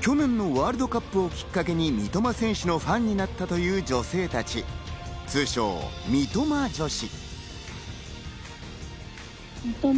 去年のワールドカップをきっかけに三笘選手のファンになったという女性たち、通称・三笘女子。